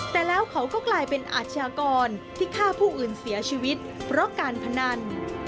แต่แล้วเขาก็กลายเป็นอาชญากรที่ฆ่าผู้อื่นเสียชีวิตเพราะการพนัน